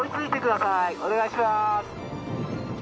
お願いします。